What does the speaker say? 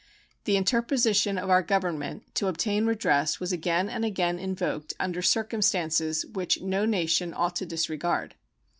The interposition of our Government to obtain redress was again and again invoked under circumstances which no nation ought to disregard.